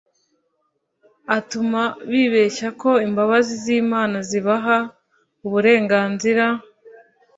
atuma bibeshya ko imbabazi z’Imana zibaha uburenganzira